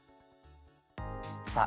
さあ